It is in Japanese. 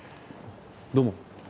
どうも。